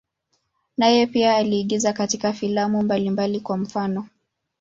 Naye pia aliigiza katika filamu mbalimbali, kwa mfano.